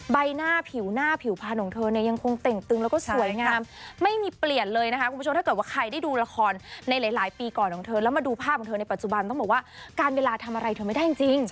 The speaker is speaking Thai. ใบหน้าผิวหน้าผิวพันธุ์ของเธอเนี่ยยังคงเต่งตึงแล้วก็สวยงามไม่มีเปลี่ยนเลยนะคะคุณผู้ชมถ้าเกิดว่าใครได้ดูละครในหลายปีก่อนของเธอแล้วมาดูภาพของเธอในปัจจุบันต้องบอกว่าการเวลาทำอะไรเธอไม่ได้จริง